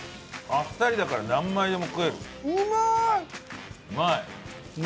あっさりだから何枚でも食える。